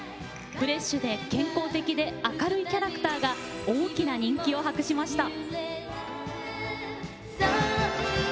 フレッシュで健康的で明るいキャラクターが大きな人気を博しました。